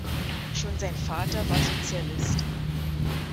Schon sein Vater war Sozialist.